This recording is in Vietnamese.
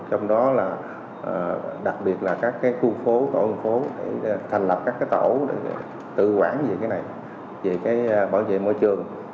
trong đó là đặc biệt là các cái khu phố tổ ngân phố thành lập các cái tổ để tự quản về cái này về cái bảo vệ môi trường